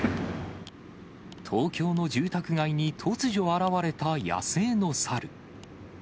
東京の住宅街に突如、現れた野生の猿。